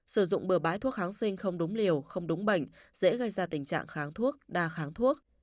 sử dụng bừa bãi thuốc kháng sinh không đúng liều không đúng bệnh dễ gây ra tình trạng kháng thuốc đa kháng thuốc